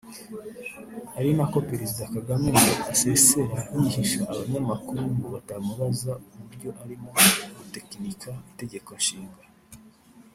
Ari nako Perezida Kagame ngo asesera yihisha abanyamakuru ngo batamubaza uburyo arimo gutgekinika itegeko nshinga